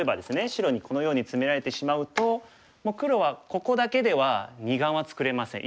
白にこのようにツメられてしまうともう黒はここだけでは２眼は作れません。